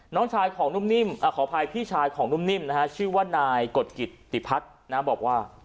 น้องชายของนุ่มนิ่มขออภัยพี่ชายของนุ่มนิ่มนะฮะชื่อว่านายกฎกิตติพัฒน์นะบอกว่า